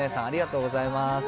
ありがとうございます。